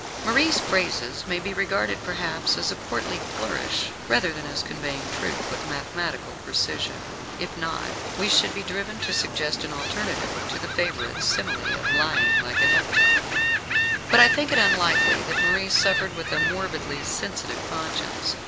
Marie's phrases may be regarded, perhaps, as a courtly flourish, rather than as conveying truth with mathematical precision. If not, we should be driven to suggest an alternative to the favourite simile of lying like an epitaph. But I think it unlikely that Marie suffered with a morbidly sensitive conscience.